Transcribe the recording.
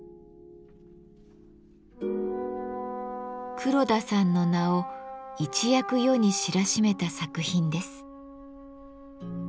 黒田さんの名を一躍世に知らしめた作品です。